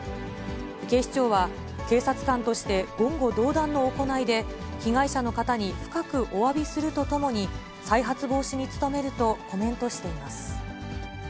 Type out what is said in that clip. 警視庁は、警察官として言語道断の行いで、被害者の方に深くおわびするとともに、再発防止に努めるとコメントしています。